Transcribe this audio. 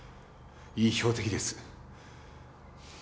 いい標的です。